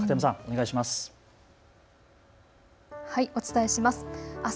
お伝えします。